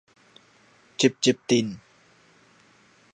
集集鎮